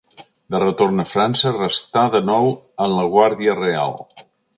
De retorn a França, restà de nou en la Guàrdia Real.